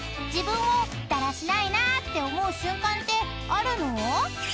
［自分をだらしないなって思う瞬間ってあるの？］